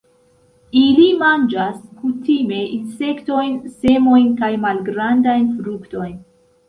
Ili manĝas kutime insektojn, semojn kaj malgrandajn fruktojn.